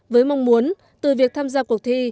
với mong muốn từ việc tham gia cuộc thi